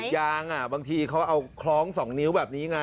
ยางบางทีเขาเอาคล้อง๒นิ้วแบบนี้ไง